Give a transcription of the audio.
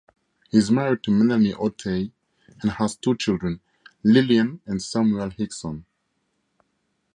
He is married to Melanie Otey and has two children: Lillian and Samuel Hixon.